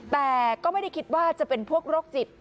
แต่ก็ไม่ได้คิดว่าจะเป็นพวกโรคจิต